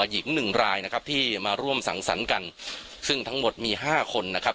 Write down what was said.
หญิงหนึ่งรายนะครับที่มาร่วมสังสรรค์กันซึ่งทั้งหมดมีห้าคนนะครับ